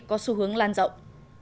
có xu hướng lan rộng